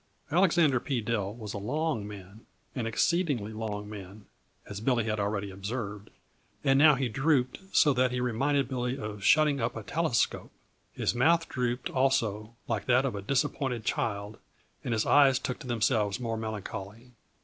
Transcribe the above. Alexander P. Dill was a long man an exceedingly long man, as Billy had already observed and now he drooped so that he reminded Billy of shutting up a telescope. His mouth drooped, also, like that of a disappointed child, and his eyes took to themselves more melancholy.